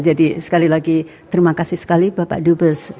jadi sekali lagi terima kasih sekali bapak dubes